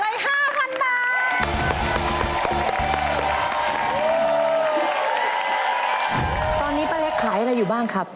พี่ดุลักษณ์ตอนนี้ป้าเล็กขายอะไรอยู่บ้างครับ